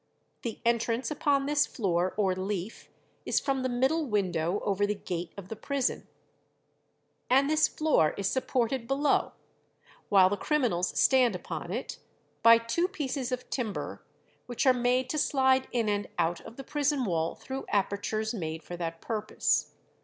The entrance upon this floor or leaf is from the middle window over the gate of the prison; and this floor is supported below, while the criminals stand upon it, by two pieces of timber, which are made to slide in and out of the prison wall through apertures made for that purpose.